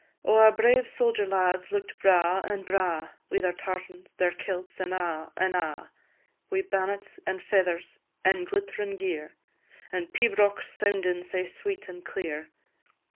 Oh, our brave sodger lads look'd braw, an' braw, Wi' their tartans, their kilts, an' a', an' a', Wi' bannets an' feathers, an' glittrin' gear, An' pibrochs soundin' sae sweet an' clear.